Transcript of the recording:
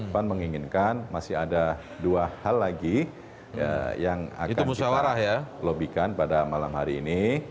pan menginginkan masih ada dua hal lagi yang akan kita lobbykan pada malam hari ini